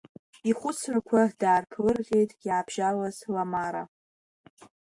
Ихәыцрақәа даарԥлырҟьеит иаабжьалаз Ламара.